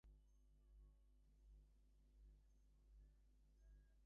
This produced a hideous stench that was actually mentioned by ancient authors.